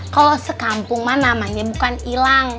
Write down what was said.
kalau sekampung mah namanya bukan ilang